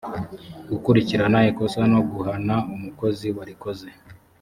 gukurikirana ikosa no guhana umukozi warikoze